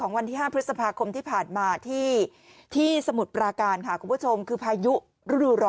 ของวันที่๕พฤศพาคมที่ผ่านมาที่ที่สมุดปราการหาคุณผู้ชมคือพายุรนดุระ